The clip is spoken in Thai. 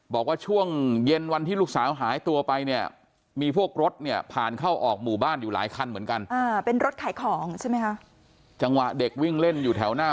บอกว่าช่วงเย็นวันที่ลูกสาวหายตัวไปเนี่ยมีพวกรถเนี่ย